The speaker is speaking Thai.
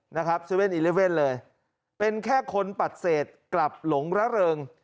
นะครับเซเว่น๑๑เลยเป็นแค่คนปัดเศษกลับหลงระเริง